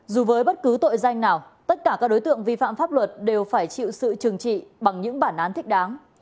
dù với bất cứ tội danh nào tất cả các đối tượng vi phạm pháp luật đều phải chịu sự trừng trị bằng những bản án thích đáng